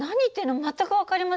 全く分かりませんけど。